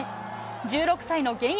１６歳の現役